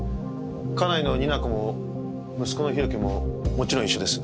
家内の仁奈子も息子の博貴ももちろん一緒です。